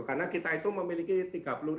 karena kita itu memiliki tiga puluh sementara